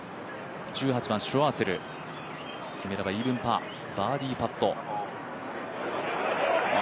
１８番、シュワーツェル決めればイーブンパーバーディーパット。